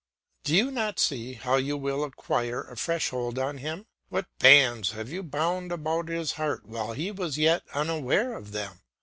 Do you not see how you will acquire a fresh hold on him? What bands have you bound about his heart while he was yet unaware of them!